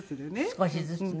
少しずつね。